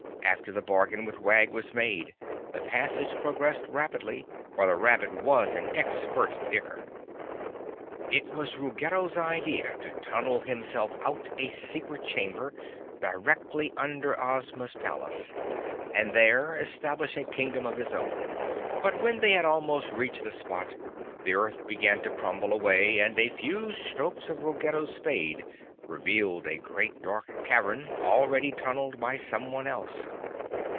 After the bargain with Wag was made, the passage progressed rapidly, for the rabbit was an expert digger. It was Ruggedo's idea to tunnel himself out a secret chamber, directly under Ozma's palace, and there establish a kingdom of his own. But when they had almost reached the spot, the earth began to crumble away, and a few strokes of Ruggedo's spade revealed a great dark cavern, already tunneled by someone else.